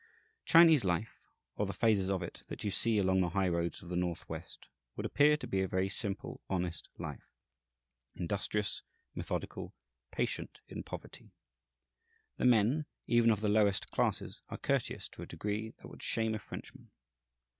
Chinese life, or the phases of it that you see along the highroads of the northwest, would appear to be a very simple, honest life, industrious, methodical, patient in poverty. The men, even of the lowest classes, are courteous to a degree that would shame a Frenchman.